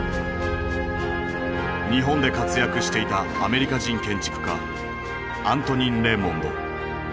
日本で活躍していたアメリカ人建築家アントニン・レーモンド。